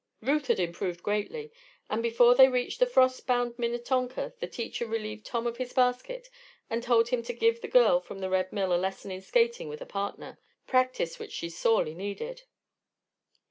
Ruth had improved greatly, and before they reached the frost bound Minnetonka the teacher relieved Tom of his basket and told him to give the girl from the Red Mill a lesson in skating with a partner practice which she sorely needed.